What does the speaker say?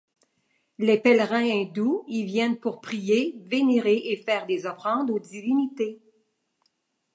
Les pèlerins hindous y viennent pour prier, vénérer et faire des offrandes aux divinités.